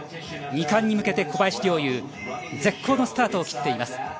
２冠に向けて小林陵侑絶好のスタートを切っています。